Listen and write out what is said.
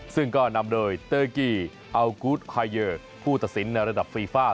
ซึ่งก็นำโดยเตอร์กีแอกส์อาร์ยุทธในระดับฟรีฟ้า